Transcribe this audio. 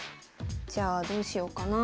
じゃあどうしようかな。